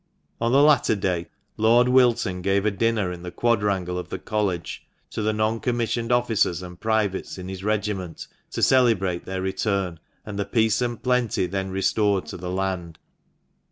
On the latter day, Lord Wilton gave a dinner in the quadrangle of the College, to the non commissioned officers and privates in his regiment, to celebrate their return, and the peace and plenty then restored to the land, THE MANCHESTER MAN.